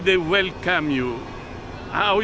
cara mereka mengucapkan selamat kepada anda